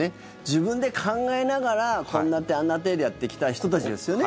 自分で考えながらこんな手、あんな手でやってきた人たちですよね。